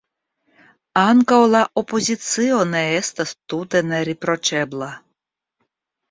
Ankaŭ la opozicio ne estas tute neriproĉebla.